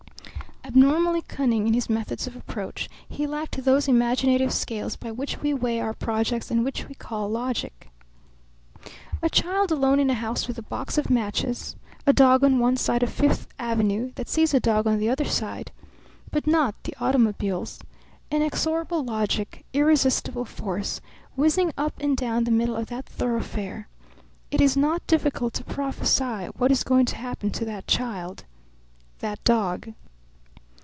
Abnormally cunning in his methods of approach, he lacked those imaginative scales by which we weigh our projects and which we call logic. A child alone in a house with a box of matches; a dog on one side of Fifth Avenue that sees a dog on the other side, but not the automobiles inexorable logic irresistible force whizzing up and down the middle of that thoroughfare. It is not difficult to prophesy what is going to happen to that child, that dog.